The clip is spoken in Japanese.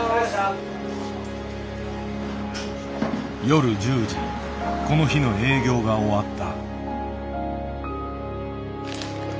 夜１０時この日の営業が終わった。